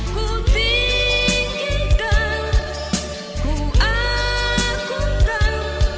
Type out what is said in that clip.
ku tinggikan ku akukan